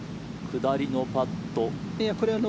下りのパット。